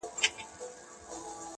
خر غریب هم یوه ورځ په هرها سو-